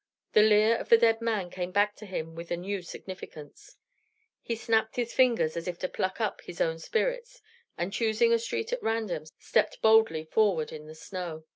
The leer of the dead man came back to him with a new significance. He snapped his fingers as if to pluck up his own spirits, and choosing a street at random, stepped boldly forward in the snow.